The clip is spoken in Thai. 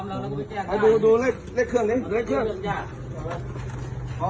มีอะไรนะ